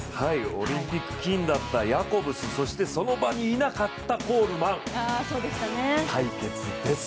オリンピック金だったヤコブスその場にいなかったコールマン対決です。